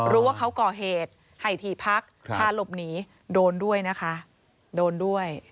รู้ว่าเขาก่อเหตุให้ถี่พักพาหลบหนีโดนด้วยนะคะโดนด้วย